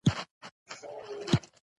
موږ هغه مخکې تشرېح کړې دي.